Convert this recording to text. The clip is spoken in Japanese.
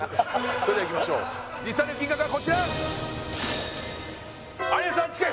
それではいきましょう実際の金額はこちら有吉さん近い！